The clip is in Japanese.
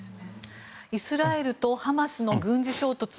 イスラエルとハマスの軍事衝突